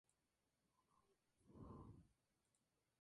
Su predecesor fue Shirō Ishii.